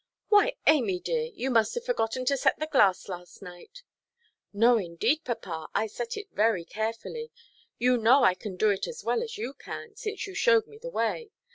"Why, Amy dear, you must have forgotten to set the glass last night." "No, indeed, papa. I set it very carefully. You know I can do it as well as you can, since you showed me the way.